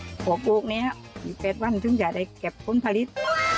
อีก๘วันจึงจะได้เก็บผลผลิต